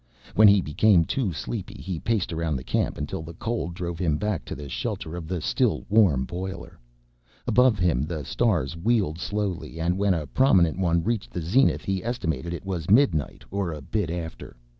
When he became too sleepy he paced around the camp until the cold drove him back to the shelter of the still warm boiler. Above him the stars wheeled slowly and when a prominent one reached the zenith he estimated it was midnight, or a bit after.